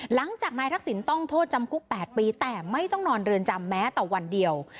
หลังจากนายทักษิณต้องโทษจำคุก๘ปีแต่ไม่ต้องนอนเรือนจำแม้แต่วันเดียว